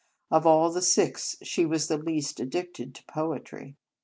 Of all the six, she was the least addicted to poetry.